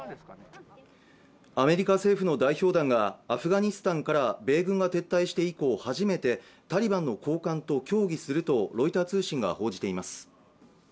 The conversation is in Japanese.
アメリカ政府の代表団がアフガニスタンから米軍が撤退して以降初めてタリバンの高官と協議するとロイター通信が報じています